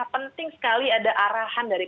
penting sekali ada arahan dari